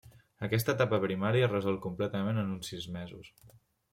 Aquesta etapa primària es resol completament en uns sis mesos.